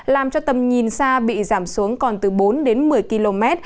làm cho tầm nhìn xa bị giảm xuống còn từ bốn đến một mươi km